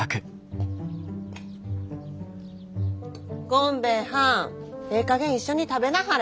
ゴンベエはんええかげん一緒に食べなはれ。